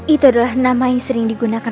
itu adalah nama yang sering digunakan